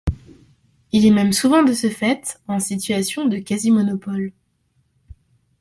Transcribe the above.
Il est même souvent de ce fait en situation de quasi-monopole.